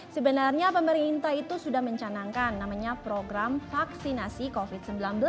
sebenarnya pemerintah itu sudah mencanangkan namanya program vaksinasi covid sembilan belas